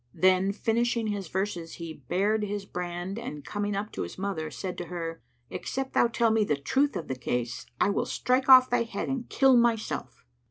Then finishing his verses he bared his brand and coming up to his mother, said to her, "Except thou tell me the truth of the case, I will strike off thy head and kill myself."